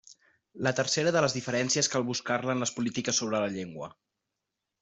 La tercera de les diferències cal buscar-la en les polítiques sobre la llengua.